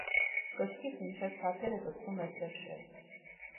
Կրծքից մինչև թաթերը ձգվում է սև շերտ։